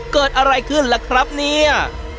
เกิดอะไรขึ้นล่ะครับเนี่ย